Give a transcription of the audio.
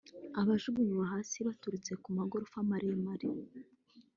abajugunywa hasi baturutse ku magorofa maremare